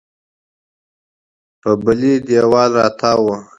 په بلې دېوال راتاو و.